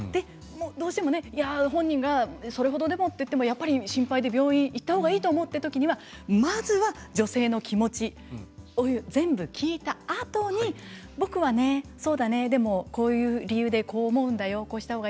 どうしても本人がそれほどでも、と言ってもやっぱり心配で病院に行ったほうがいいと思うというときは、まずは女性の気持ちを全部聞いたあと僕はねこういう理由でこう思うんだよ。